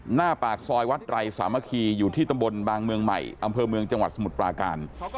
หน้าปากซอยวัดไตรสามัคคีอยู่ที่ตำบลบางเมืองใหม่อำเภอเมืองจังหวัดสมุทรปราการ